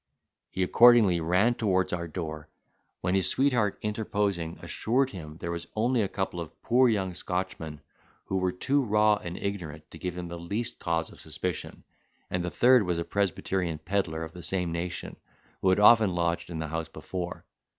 He accordingly ran towards our door; when his sweetheart interposing, assured him, there was only a couple of poor young Scotchmen, who were too raw and ignorant to give him the least cause of suspicion; and the third was a presbyterian pedlar of the same nation, who had often lodged in the house before.